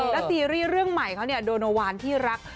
แล้วซีรีส์เรื่องใหม่เขาเนี่ยโดนโอวานที่รัก